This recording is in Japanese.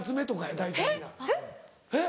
えっ？